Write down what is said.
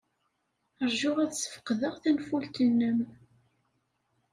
Ṛju ad sfeqdeɣ tanfult-nnem.